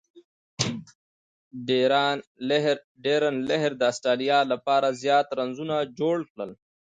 ډیرن لیهر د اسټرالیا له پاره زیات رنزونه جوړ کړل.